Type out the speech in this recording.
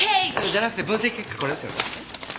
じゃなくて分析結果これですよね？